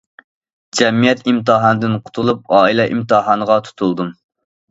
جەمئىيەت ئىمتىھانىدىن قۇتۇلۇپ، ئائىلە ئىمتىھانىغا تۇتۇلدۇم.